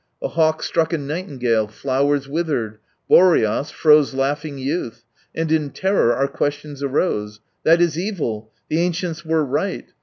A hawk struck a nightingale, flowers withered, Boreas froze laughing youth — and in terror our questions arose. "That is evil. The ancients were right.